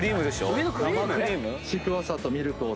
上のクリーム⁉